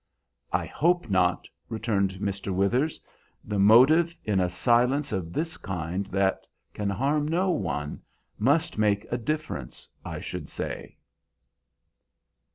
"I hope not," returned Mr. Withers. "The motive, in a silence of this kind that can harm no one, must make a difference, I should say."